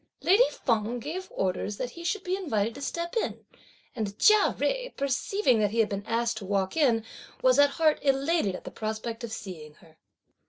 Lady Feng gave orders that he should be invited to step in, and Chia Jui perceiving that he had been asked to walk in was at heart elated at the prospect of seeing her.